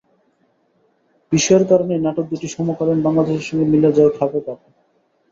বিষয়ের কারণেই নাটক দুটি সমকালীন বাংলাদেশের সঙ্গে মিলে যায় খাপে খাপে।